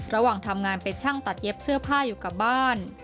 ระหว่างทำงานเป็นช่างตัดเย็บเสื้อผ้าอยู่กับบ้าน